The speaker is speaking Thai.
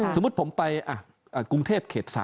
สมมุติผมไปกรุงเทพเขต๓